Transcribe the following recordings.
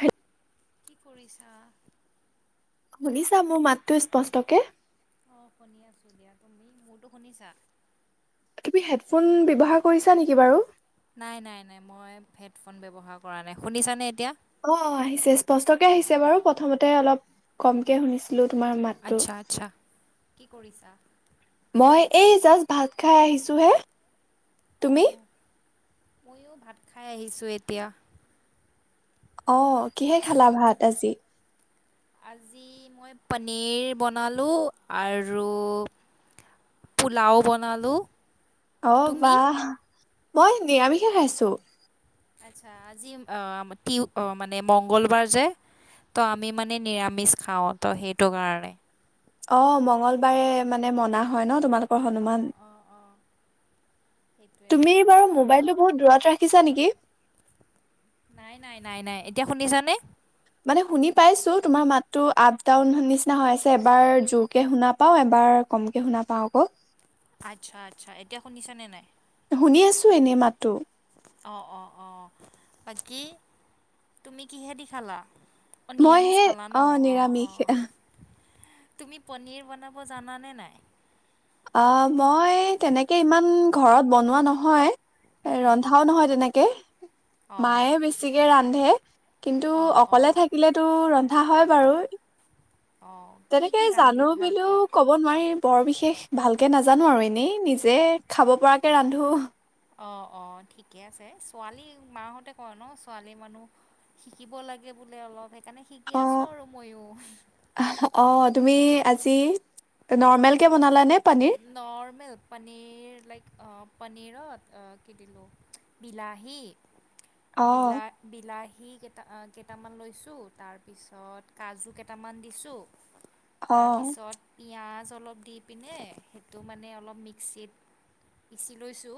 হ শুনিছা শুনিছা মোৰ মাতটো স্পষ্টকে অঁ শুনি আছোঁ দিয়া তুমি মোৰতো শুনিছা তুমি হেডফোন ব্যৱহাৰ কৰিছা নেকি বাৰু? নাই নাই নাই মই হেডফোন ব্যৱহাৰ কৰা নাই শুনিছানে এতিয়া অ অ আহিছে স্পষ্টকে আহিছে বাৰু প্ৰথমতে অলপ কমকে শুনিছো তোমাৰ মাতটো আচ্ছা আচ্ছা। কি কৰিছা মই এই জাষ্ট ভাত খাই আহিছো হে তুমি অঁ ময়ো ভাত খাই আহিছোঁ এতিয়া অ কিহে খালা ভাত আজি আজি মই পনীৰ বনালোঁ আৰু পোলাও বনালোঁ অ তুমি? বাহ মই নিৰামিষে খাইছো আচছা আজি মানে মংগলবাৰ যে ত আমি মানে নিৰামিষ খাওঁ ত সেইটো কাৰণে অ মংগলবাৰে মানে মনা হয় ন তোমালোক অঁ হনুমান অঁ অঁ সেইটোৱে আৰু। তুমি বাৰ মোবাইল বহুত দূৰত ৰাখিছা নেকি নাই নাই নাই নাই এতিয়া শুনিছা নে মানে শুনি পাইছো তোমাৰ মাততো আপ ডাউন নিচিনা হৈ আছে এবাৰ জোৰকে শুনা পাওঁ এবাৰ কমকে শুনা পাওঁ আকৌ আচ্ছা আচ্ছা এতিয়া শুনিছা নে নাই শুনি আছোঁ এনেই মাতো অ অ অ বাকী তুমি কিহে দি খালা অঁ নিৰামিষ মইহে খালা ন অ অঁ নিৰামিষ অঁ তুমি পনীৰ বনাব জানানে নাই অ মই তেনেকে ইমান ঘৰত বনোৱা নহয় এ উম, ৰন্ধাও নহয় তেনেকে কে অঁ মায়ে বেছিকে ৰান্ধ ন্ধে কিন্তু অঁ অঁ অকলে থাকিলেতো ৰন্ধা হয় বাৰু অঁ কি তেনেকে কি ৰান্ধি জানো ভাল বুলিও পোৱা কব নোৱাৰিম বৰ বিশেষ ভালকে নাজানো আৰু এনেই নিজে খাব পৰাকে ৰান্ধো অ অ ঠিকে আছে ছোৱালী মাসতে কয় ন ছোৱালী মানুহ শিকিব লাগে বোলে অলপ সেইকাৰণে শিকি অ আছোঁ আৰু ময়ো অ তুমি আজি যি নৰ্মেল কে বনা নৰ্মেল পানীৰ লাইক অ প কি দিলো বিলাহী অ বিলা বিলাহী কেটা কেইটামান লৈছোঁ তাৰপিছত কাজু কেইটামান দিছোঁ অ তাৰ পিছত পিঁয়াজ অলপ দি পিনে সেইটো মানে অলপ মিক্সিত পিচি লৈছোঁ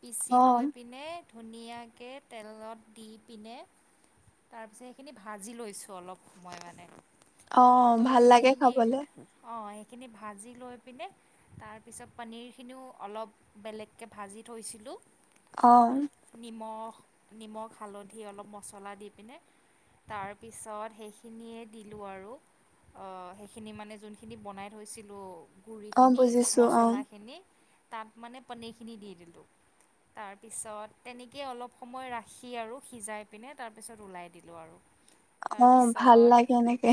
পিচি অ লৈ পিনে ধুনীয়াকে তেলত দি পিনে তাৰপিছত সেইখিনি ভাজি লৈছোঁ অলপ সময় মানে অ ত' ভাল লাগে সেইখিনি খাবলে অ খিনি ভাজি লৈ পিনে তাৰপিছত পনীৰখিনিও অলপ বেলেগকে ভাজি থৈছিলোঁ অ নিমখ নিমখ হালধি অলপ মছলা দি পিনে তাৰপিছত সেইখিনিয়ে দিলোঁ আৰু অ সেইখিনি মানে যোনখিনি বনাই থৈছিলোঁ অ গুৰিখিনি বুজিছো অ মছলাখিনি তাত মানে পনীৰখিনি দি দিলোঁ তাৰপিছত তেনেকেই অলপ সময় ৰাখি আৰু সিজাই পিনে তাৰপিছত ওলাই দিলোঁ আৰু অ', ভাল তাৰপিছত লাগে এনেকে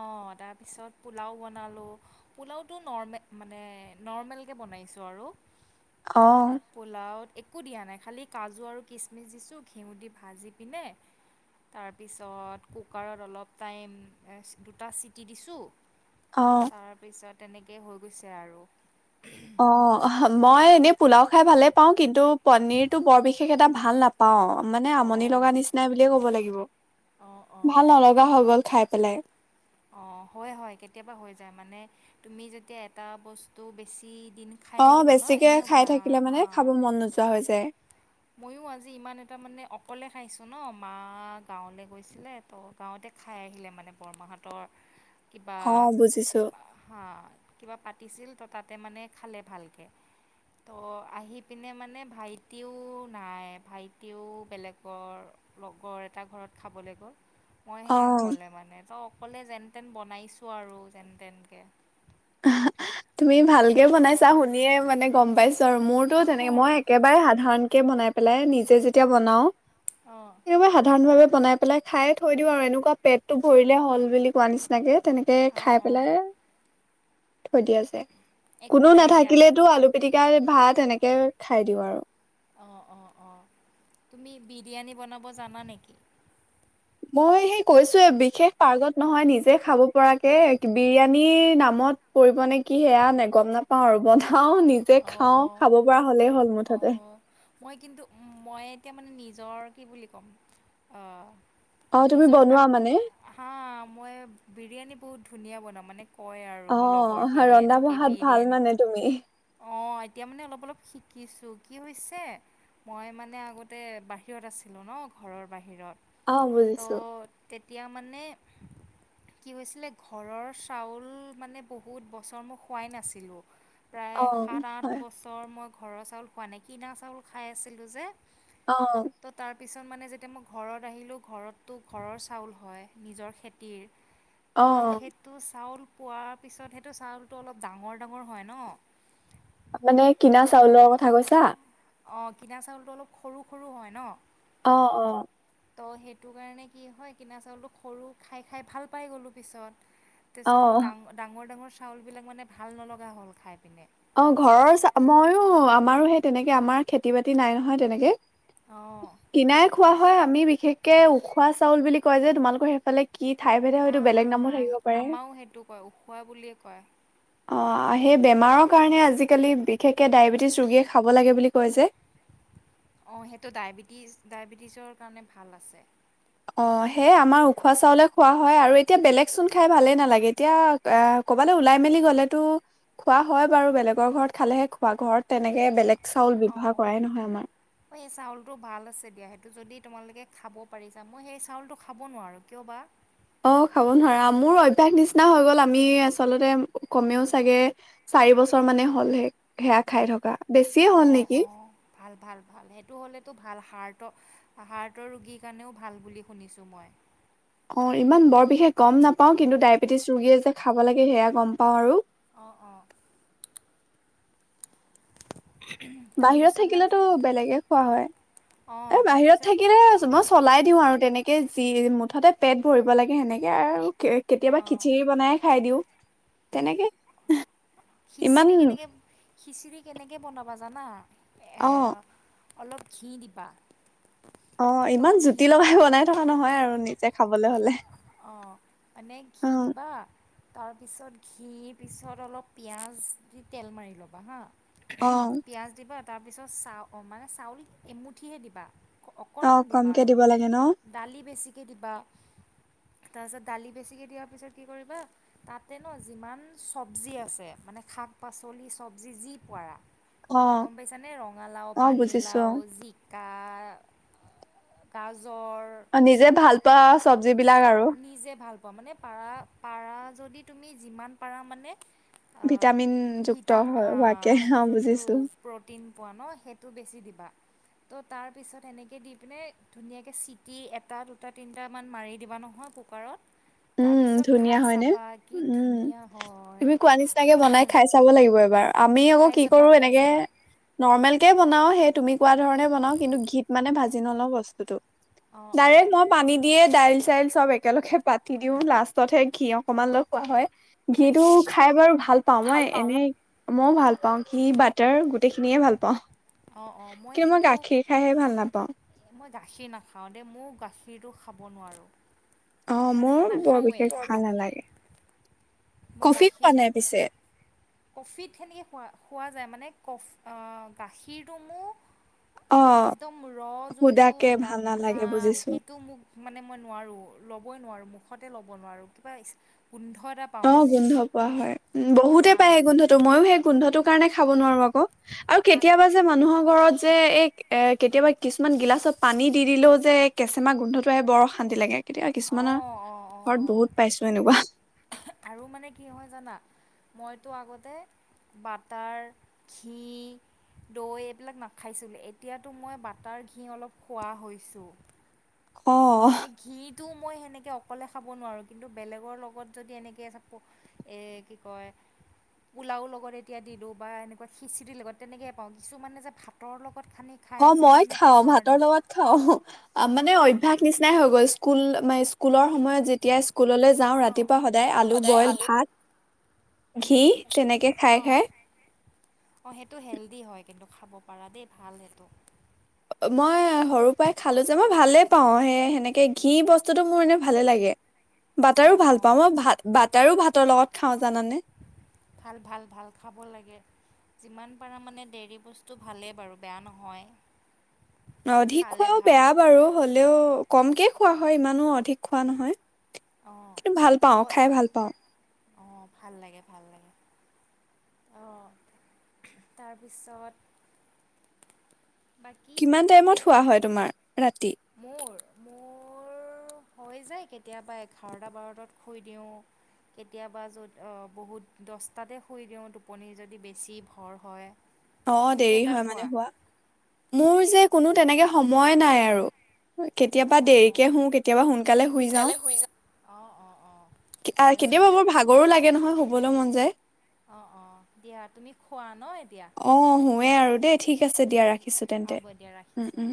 অহ তাৰপিছত পোলাও বনালোঁ পোলাওত তো নৰ্মেল মানে নৰ্মেলকে বনাইছোঁ আৰু অ', পোলাওত একো দিয়া নাই খালী কাজু আৰু কিচমিচ দিছোঁ ঘিউ দি ভাজি পিনে তাৰপিছত কুকাৰত অলপ টাইম দুটা চিটি দিছোঁ অ', তাৰপিছত তেনেকে হৈ গৈছে আৰু অ মই এনেই পোলাও খাই ভালে পাওঁ কিন্তু পনিৰতো বৰ বিশেষ এটা ভাল নাপাওঁ মানে অ', আমনি লগা নিচিনাই বুলিয়ে কব লাগিব অ', ভাল অ'। নলগা হৈ গল খাই পেলাই অ হয় হয় কেতিয়াবা হৈ যায় মানে তুমি যেতিয়া এটা বস্তু বেছি দিন খাই অ থাকিবা ন বেছিকে এনেও খাই ভা থাকিলে মানে খাব মন নোযোৱা হৈ যায় মইয়ো আজি ইমান এটা মানে অকলে খাইছোঁ ন মা গাঁৱলৈ গৈছিলে ত' গাঁৱতে খাই আহিলে মানে বৰমাহঁতৰ কিবা অ', বুজিছো হা কিবা পা পাতিছিল ত তাতে মানে খালে ভালকে ত আহি পিনে মানে ভাইটিও নাই ভাইটিও বেলেগৰ লগৰ এটা ঘৰত খাবলৈ গ'ল মইহে অ', অকলে মানে অকলে যেনতেন বনাইছোঁ আৰু যেন তেনকে তুমি ভালকে বনাইছা শুনিয়ে মানে গম পাইছো মোৰতো অঁ তেনেকে মই একেবাৰে সাধাৰণ কে বনাই পেলাই নিজে যেতিয়া বনাওঁ অঁ কেতিয়াবা সাধাৰণ ভাৱে বনাই পেলাই খাই থৈ দিওঁ আৰু এনেকুৱা পেটটো ভৰিলে হ'ল বুলি কোৱা নিচিনাকে তেনেকে অঁ খাই অঁ পেলাই থৈ দিয়ে যে একো কোনো নাই দিয়া নাথাকিলেতো আলু পিতিকাৰে ভাত তেনেকে খাই দিওঁ আৰু অঁ অঁ অঁ তুমি বিৰিয়ানী বনাব জানা নেকি মই সেই কৈছোয় বিশেষ পাৰ্গত নহয় নিজে খাব পৰাকে বিৰিয়ানীৰ নামত পৰিব নে কি সেয়া নে গম নাপাও আৰু বধ খাও নিজে অঁ খাও অঁ খাব পৰা হলেই হ'ল অঁ মুঠতে অঁ মই কিন্তু মই এতিয়া মানে নিজৰ কি বুলি ক'ম অ তুমি নিজৰ বনোৱা মানে হা মই বিৰিয়ানী বহুত বুধ ধুনীয়া বনাওঁ মানে কয় আৰু মোৰ অঁ লগৰখিনিয়ে ৰন্ধা বঢ়াত ভাল মানে তুমি অ অঁএতিয়া মানে অলপ অলপ শিকিছো কি হৈছে মই মানে আগতে বাহিৰত আছিলো ন ঘৰৰ বাহিৰত অ ত বুজিছো তেতেয়া এতিয়া মানে কি হৈছিলে ঘৰৰ চাউল মানে বহুত বছৰ মই খোৱাই নাছিলোঁ প্ৰায় অ সাত আঠ হয় বছৰ মই ঘৰৰ চাউল খোৱা নাই কিনা চাউল খাই আছিলোঁ যে অ ত' তাৰ পিছত মানে যেতিয়া মই ঘৰত আহিলোঁ ঘৰতটো ঘৰৰ চাউল হয় নিজৰ খেতিৰ অ ত' সেইটো চাউল পোৱাৰ পিছত সেইটো চাউলটো অলপ ডাঙৰ ডাঙৰ হয় ন মানে কিনা চাউলৰ কথা কৈছা অ কিনা চাউলটো অলপ সৰু সৰু হয় ন অ অ তো সেইটো কাৰণে কি হয় কিনা চাউল সৰু খাই খাই ভাল পাই গ'লোঁ পিছত তাৰ অ পিছত মোৰ ডা ডাঙৰ ডাঙৰ চাউলবিলাক মানে ভাল নলগা হ'ল খাই পিনে অ ঘৰৰ চাউ মইয়ো আমাৰো সেই তেনেকে আমাৰ খেতি বাতি নাই নহয় তেনেকে অঁ কিনাৰে খোৱা হয় আমি বিশেষকে উখোৱা চাউল বুলি কয় যে তোমালোকৰ সেইফালে কি ঠাই ভেদে হ হয়তো হা বেলেগ নামো হা থাকিব পাৰে আমাৰও সেইটো কয় উখোৱা বুলিয়ে কয় অঁ সেই বেমাৰক কাৰ আজিকালি বিশেষকে ডায়বেটিছ ৰোগীয়ে খাব লাগে বুলি কয় যে অ সেইটো ডায়বেটিছ ডায়বেটিছৰ কাৰণে ভাল আছে অ সেই আমাৰ উখোৱা চাউলে খোৱা হয় আৰু এতিয়া বেলেগ চোন খাই ভালেই নালাগে এতিয়া ক'বালে ওলাই মেলি গলেতো খোৱা হয় বাৰু বেলেগৰ ঘৰত খালেহে খোৱা ঘৰত তেনেকে বেলেগ চাউল অ ব্যৱহাৰ কৰাই নহয় আমাৰ এই চাউলটো ভাল আছে দিয়া সেইটো যদি তোমালোকে খাব পাৰিছা মই সেই চাউলটো খাব নোৱাৰো কিয় বা অ খাব নোৱাৰা মোৰ অভ্য়াস নিচিনা হৈ গ'ল আমি আচলতে কমেও চাগে চাৰি বছৰ মানে হ'ল সে সেয়া খাই থকা বেছিয়ে হ'ল অ নেকি অ ভাল ভাল ভাল সেইটো হ'লেতো ভাল হাৰ্ট হাৰ্টৰ ৰোগীৰ কাৰণেও ভাল বুলি শুনিছোঁ মই অ ইমান বৰ বিশেষ গম নাপাওঁ কিন্তু ডায়েবেটিছ ৰোগীয়ে যে খাব লাগে সেয়া গম পাওঁ আৰু অঁ অঁ বাহিৰত তাৰপিছত মানে থাকিলেতো বেলেগে খোৱা হয় অঁ এ বাহিৰত তাৰপিছত থাকিলে মই চলাই দিও আৰু তেনেকে মুঠতে পেট ভৰিব লাগে সেনেকে আৰু কে কেতিয়াবা অঁ খিচিৰি বনাইে খাই দিওঁ তেনেকে ইমান খিচিৰি কেনেকে খিচিৰি কেনেকে বনাব জানা এ অঁ অলপ ঘি দিবা অ 'ইমান জুতি লগাই বনাই থকা নহয় আৰু নিজে খাবলৈ হলে অ' মানে ঘি অ দিবা। তাৰপিছত ঘি পিছত অলপ পিঁয়াজ দি তেল মাৰি ল'বা হাঁ। অ পিয়াজ দিবা। তাৰপিছত চা মানে চাউল এমুঠিহে দিবা। অ অকণমান দিবা কমকে আৰু দিব লাগে ন দালি বেছিকৈ দিবা। তাৰপিছত দালি বেছিকে দিয়াৰ পিছত কি কৰিবা তাতে ন যিমান চব্জি আছে। মানে শাক পাচলি চব্জি যি পাৰা। অ গম পাইছানে ৰঙালাও অ বুজিছো পানীলাও জিকা। কাজু অ' নিজে ভাল পোৱা চবজি বিলাক আৰু। নিজে ভাল মানে পাৰা পাৰা যদি তুমি যিমান পাৰা মানে। ভিটামিন যুক্ত ভিটাম হোৱাকে অ '। যোনটো প্ৰ'টিন পোৱা ন' সেইটো বেছি দিবা ত তাৰ পিছত এনেকে চিটি এটা দুটা তিনিটা অকমান মাৰি দিবা নহয় কুকাৰত। উম তাৰপিছত ধুনীয়া খাই হয় ন, চাবা কি উম ধুনীয়া হয় তুমি কোৱা নিচিনাকে বনাই খাই চাব লাগিব এবাৰ। আমি আকৌ খাই কি চাবা কৰো খাই এনেকে চাবা নৰ্মেল কে বনাও। বনাও সেই তুমি কোৱা ধৰণে বনাও কিন্তু ঘিত মানে ভাজি নলওঁ বস্তুতটো। অঁ অঁ ডাইৰেক্ট মই পানী দিয়ে দাইল চাইল চব একেলগে পাতি। পাতি দিওঁ লাষ্টতহে ঘি অকণমান লৈ খোৱা হয়। ঘি টো তাকেই খাই বাৰু ভাল পাওঁ। মই এনে মইও ভাল পাওঁ ঘি বাটাৰ গোটে। গোটেইখিয়ে ভাল পাওঁ। অ -অ মই কিন্তু গাখীৰ খাইহে ভাল নাপাওঁ মই গাখীৰ নাখাও দেই মোৰ গাখীৰ। কগাখীৰটো খাব নোৱাৰোঁ। অ মানে মোৰ মই বৰ নাখাওৱে বিশেষ ভাল গাখীৰ নালাগে মই কফি খোৱা গাখীৰ না নাই পিছে কফিত সেনেকে খোৱা খোৱা যায় মানে কফি গাখীৰ। গাখীৰটো মোৰ। অ একদম ৰ যোনটো সুদাকে দা ভাল হা নালাগে বুজিছো সেইটো মোক মানে মই নোৱাৰো। ল'বই নোৱাৰো মুখতে ল'ব নোৱাৰো কিবা গোন্ধ এটা পাওঁ অ মানে 'গোন্ধ পোৱা হয় বহুতে পাই সেই গোন্ধটো মই সেই গোন্ধটোোক। কাৰণে খাব নোৱাৰোঁ আকৌ আৰু আগ কেতিয়াবা যে মানুহৰ ঘৰত যে। যে এই এ কেতিয়াবা কিছুমান গিলাচত পানী দি দিলেও যে কেঁচেমা গোন্ধটো আহে বৰ অশান্তি লাগে। কেতিয়া কিছুমানৰ। অঁ অঁ অঁ ঘৰত অঁ বহুত পাইছো এনেকুৱা আৰু মানে কি হয় জানা মইতো আগতে বাটাৰ ঘি দৈ এইবিলাক নাখাইছিলোঁ এতিয়াতো মই বাটাৰ ঘি অলপ খোৱা হৈছোঁ অ তু মই সেনেকৈ অকলে খাব নোৱাৰোঁ কিন্তু বেলেগৰ লগত যদি এনেকৈ কি কয় পোলাও লগত এতিয়া দিলোঁ বা এনেকুৱা খিচিৰি লগত তেনেকৈ পাওঁ কিছুমানে যে ভাতৰ লগত সানি খাই অ যে মই সেনেকৈ খাও ভাতৰ নোৱাৰোঁ লগত খাও অঁ মানে মই অভ্য়াস নিচিনাই হৈ গ'ল স্কুল মে স্কুলৰ সময়ত যেতিয়া স্কুললৈ যাওঁ অঁ ৰাতিপুৱা সদায় আলু বইল ভাত ঘি তেনেকে খাই অঁ খাই অঁ সেইটো হেল্ডি হয় কিন্তু খাব পাৰা দেই ভাল সেইটো মই সৰু পৰাই খালো যে মই ভালে পাওঁ সেই সেনেকে ঘি বস্তুটো মোৰ এনে ভালে লাগে বাটাৰো অঁ ভাল অঁ পাওঁ মই ভাত বাটাৰো ভাতৰ লগত খাওঁ জানানে ভাল ভাল ভাল খাব লাগে যিমান পাৰা মানে দেৰি বস্তু ভালেই বাৰু বেয়া নহয় অধিক খালে খোৱাও ভাল বেয়া বাৰু হ'লেও কমকৈ খোৱা হয় ইমানো অধিক খোৱা নহয় অঁ কিন্তু ভাল পাওঁ অঁ খাই ভাল পাওঁ অঁ ভাল লাগে ভাল লাগে অঁ তাৰপিছত বাকী কিমান টাইমত এতিয়া হোৱা হয় তোমাৰ ৰাতি মোৰ মোৰ হৈ যায় কেতিয়াবা এঘাৰটা বাৰটাত শুই দিওঁ কেতিয়াবা য'ত বহুত দহটাতে শুই দিওঁ টোপনি যদি বেছি ভৰ হয় অ তুমি দেৰি কেইটাত হয় শুৱা মানে হোৱা মোৰ যে কোনো তেনেকে সময় নাই আৰু কেতিয়াবা অঁ অঁ দেৰিকে শু কেতিয়াবা সোনকালে শুই যাও যাওঁ অঁ অঁ অঁ ঠিকে আছে কেতিয়াবা মোৰ ভাগৰো লাগে নহয় কবলৈ মন যায় অ অ দিয়া তুমি খোৱা ন এতিয়া অ শুৱে আৰু দেই ঠিক আছে দিয়া ৰাখি ৰাখিছোঁ তেন্তে হ'ব দিয়া ৰাখিছোঁ অঁ